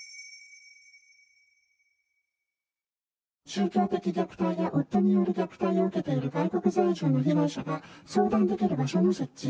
宗教的虐待や、夫による虐待を受けている外国在住の被害者が、相談できる場所の設置。